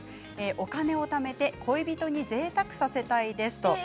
お金をためて恋人にぜいたくさせたいです。